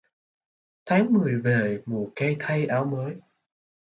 Tháng mười về mùa cây thay áo mới